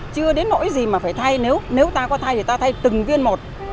chưa đến nỗi gì mà phải thay nếu nếu ta có thay thì ta thay từng viên một